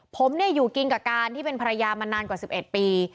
ผมอยู่กินกับการที่เป็นภรรยามานานกว่า๑๑ปี